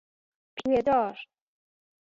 پیه دار